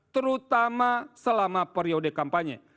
terutama selama periode kampanye